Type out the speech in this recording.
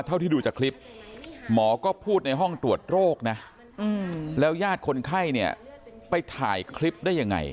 เท่าที่ดูจากคลิปหมอก็พูดในห้องตรวจโรคนะแล้วญาติคนไข้เนี่ยไปถ่ายคลิปได้ยังไง